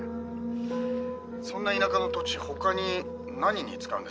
「そんな田舎の土地他に何に使うんですか？」